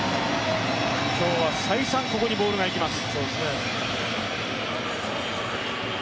今日は再三ここにボールが行きます。